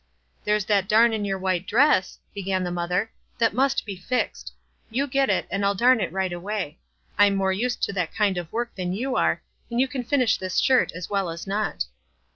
"There's that darn in your white dress," began the mother ; "that must be fixed. You get it, and I'll darn it right away. I'm more used to that kind of work than you are, and you can finish this shirt as well as not."